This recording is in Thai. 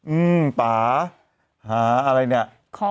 อืมป่าหาอะไรเนี่ย